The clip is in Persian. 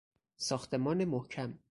ساختمان محکم